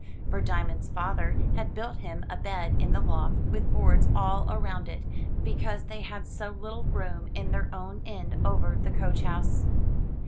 For Diamond's father had built him a bed in the loft with boards all round it, because they had so little room in their own end over the coach house.